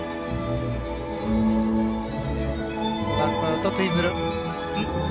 バックアウトツイズル。